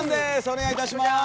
お願いいたします。